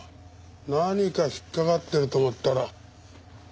何か引っかかってると思ったら通販だ。